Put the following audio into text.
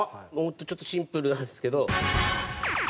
ちょっとシンプルなんですけど。